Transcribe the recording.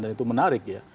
dan itu menarik ya